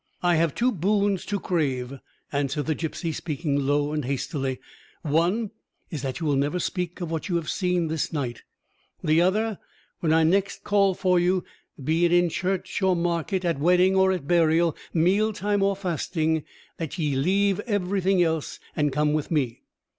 "I have two boons to crave," answered the gipsy, speaking low and hastily: "one is that you will never speak of what you have seen this night; the other, that when I next call for you, be it in church or market, at wedding or at burial, meal time or fasting, that ye leave everything else and come with me."